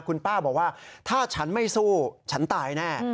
คุณป้าบอกว่าถ้าฉันไม่สู้ฉันตายแน่